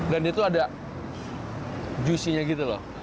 tapi itu ada juicinessnya gitu loh